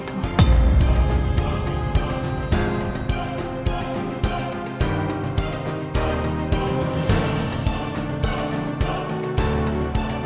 bukti yang mbak kumpulin